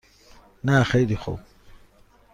نه خیلی خوب.